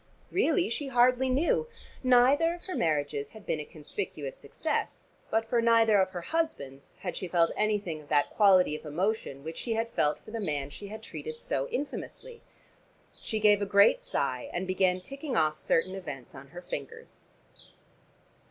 Really she hardly knew. Neither of her marriages had been a conspicuous success, but for neither of her husbands had she felt anything of that quality of emotion which she had felt for the man she had treated so infamously. She gave a great sigh and began ticking off certain events on her fingers.